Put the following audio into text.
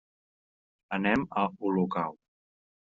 Anem a Olocau.